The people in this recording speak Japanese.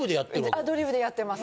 アドリブでやってます。